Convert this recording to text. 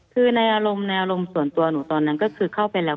คือในอารมณ์ในอารมณ์ส่วนตัวหนูตอนนั้นก็คือเข้าไปแล้ว